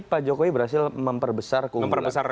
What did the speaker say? pak jokowi berhasil memperbesar